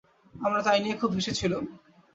আমরা তাই নিয়ে খুব হেসেছিলুম।